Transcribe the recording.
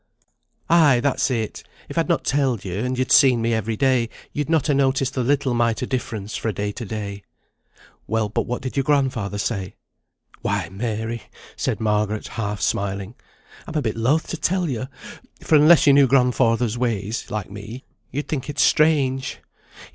"Ay, that's it! If I'd not telled you, and you'd seen me every day, you'd not ha' noticed the little mite o' difference fra' day to day." "Well, but what did your grandfather say?" "Why, Mary," said Margaret, half smiling, "I'm a bit loath to tell yo, for unless yo knew grandfather's ways like me, yo'd think it strange.